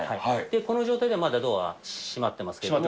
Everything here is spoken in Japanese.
この状態ではまだドア閉まってますけども。